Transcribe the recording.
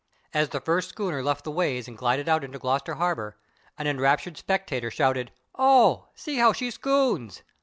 As the first schooner left the ways and glided out into Gloucester harbor, an enraptured spectator shouted: "Oh, see how she scoons!"